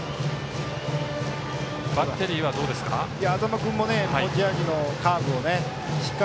バッテリーはどうですか？